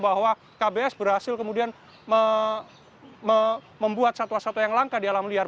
bahwa kbs berhasil kemudian membuat satwa satwa yang langka di alam liar